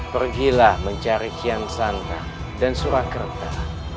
pergilah mencari kian santa dan surakarta